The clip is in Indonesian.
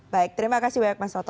baik terima kasih banyak mas toto